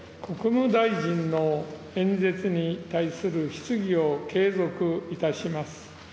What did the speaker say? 国務大臣の演説に対する質疑を継続いたします。